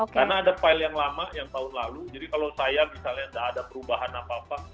karena ada file yang lama yang tahun lalu jadi kalau saya misalnya tidak ada perubahan apa apa